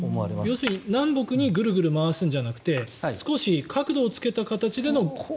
要するに南北にぐるぐる回すんじゃなくて少し角度をつけた形での。